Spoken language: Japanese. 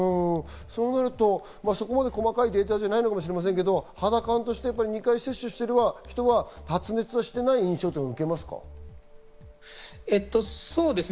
そうなると、そこまで細かいデータではないかもしれませんが、肌感として２回接種していれば、人は発熱はしていない印象ということですか？